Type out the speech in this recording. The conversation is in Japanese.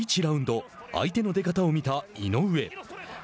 第１ラウンド相手の出方を見た井上。